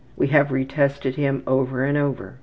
We have retested him over and over.